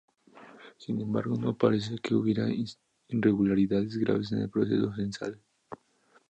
Sin embargo, no parece que hubiera irregularidades graves en el proceso censal.